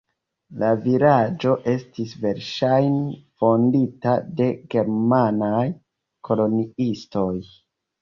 La vilaĝo estis verŝajne fondita de germanaj koloniistoj.